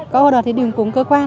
có hôm thì cô đợt thì đi cùng cơ quan